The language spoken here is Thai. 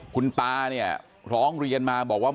คุณตาร้องเรียนมาบอกว่า